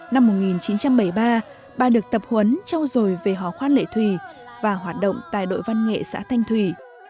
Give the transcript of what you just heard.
năm một nghìn chín trăm bảy mươi ba bà được tập huấn trau dồi về họ khoan lệ thủy và hoạt động tại đội văn nghệ xã thanh thủy